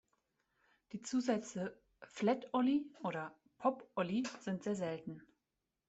Die Zusätze „Flat Ollie“ oder „Pop Ollie“ sind sehr selten.